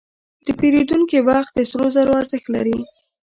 د پیرودونکي وخت د سرو زرو ارزښت لري.